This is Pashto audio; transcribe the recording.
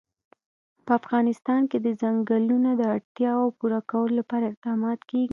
په افغانستان کې د ځنګلونه د اړتیاوو پوره کولو لپاره اقدامات کېږي.